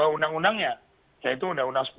undang undangnya yaitu undang undang